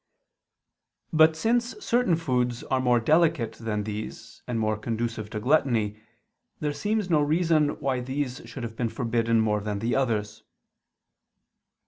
But since certain foods are more delicate than these and more conducive to gluttony, there seems no reason why these should have been forbidden more than the others.